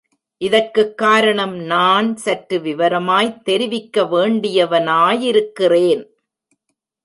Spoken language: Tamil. இதற்குக் காரணம், நான் சற்று விவரமாய்த் தெரிவிக்க வேண்டியவனாயிருக்கிறேன்.